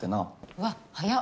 うわ早っ。